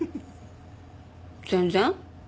全然。